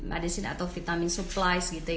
ada sini atau vitamin supply